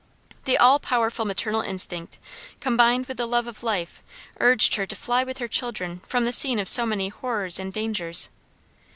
The all powerful maternal instinct combined with the love of life, urged her to fly with her children from the scene of so many horrors and dangers.